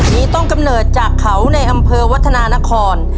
มีต้นกำเนิดจากเขาในอำเภอวัฒนานคร